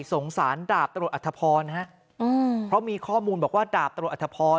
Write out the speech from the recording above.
สงสารดาบตำรวจอัธพรฮะอืมเพราะมีข้อมูลบอกว่าดาบตำรวจอัธพร